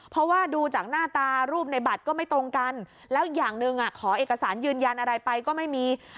เพราะว่าดูจากหน้าตารูปในบัตรก็ไม่ตรงกันแล้วอย่างหนึ่งขอเอกสารยืนยันอะไรไปก็ไม่มี